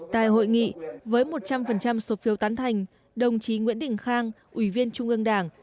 tại hội nghị với một trăm linh số phiếu tán thành đồng chí nguyễn định khang quỳ viên trung mương đảng